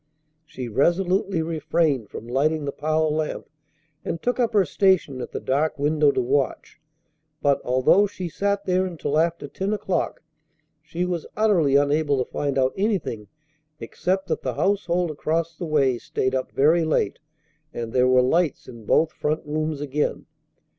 She resolutely refrained from lighting the parlor lamp, and took up her station at the dark window to watch; but, although she sat there until after ten o'clock, she was utterly unable to find out anything except that the household across the way stayed up very late and there were lights in both front rooms again.